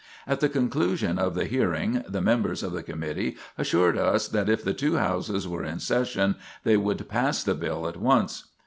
At the conclusion of the hearing the members of the committee assured us that if the two houses were in session they would pass the bill at once.